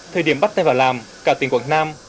thời điểm bắt tay vào làm cả tỉnh quảng nam